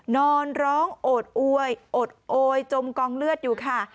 นอนร้องโอดอวยอดโอยจมกองเลือดอยู่ค่ะ